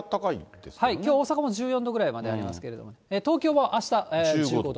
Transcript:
きょう、大阪も１４度ぐらいまでありますけれども、東京もあした１５度。